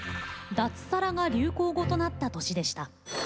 脱サラが流行語となった年でした。